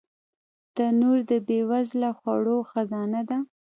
تنور د بې وزله خوړو خزانه ده